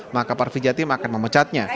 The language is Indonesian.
maka parvi jatim akan memecatnya